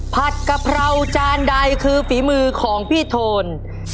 กะเพราจานใดคือฝีมือของพี่โทน